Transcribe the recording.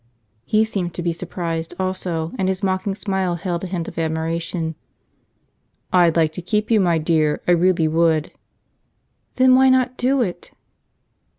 He seemed to be surprised, also, and his mocking smile held a hint of admiration. "I'd like to keep you, my dear. I really would." "Then why not do it?"